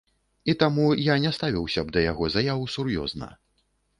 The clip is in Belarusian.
І таму я не ставіўся б да яго заяў сур'ёзна.